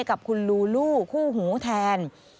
กับคุณลูลูคู่หูแทน